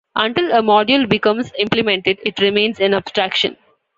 Until a module becomes implemented it remains an abstraction.